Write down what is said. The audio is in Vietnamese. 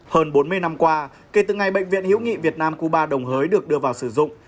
hơn bốn mươi năm qua kể từ ngày bệnh viện hữu nghị việt nam cuba đồng hới được đưa vào sử dụng